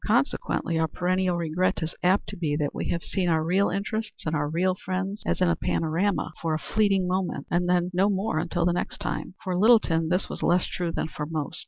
Consequently our perennial regret is apt to be that we have seen our real interests and our real friends as in a panorama, for a fleeting moment, and then no more until the next time. For Littleton this was less true than for most.